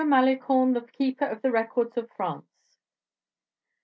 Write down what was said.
Malicorne the Keeper of the Records of France.